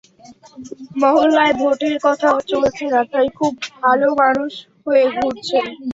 মহল্লায় ভোটের কথা চলছে না, তাই খুব ভালো মানুষ হয়ে ঘুরছেন!